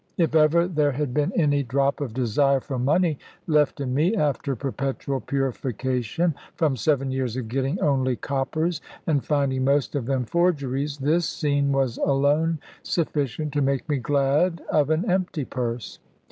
If ever there had been any drop of desire for money left in me, after perpetual purification (from seven years of getting only coppers, and finding most of them forgeries), this scene was alone sufficient to make me glad of an empty purse.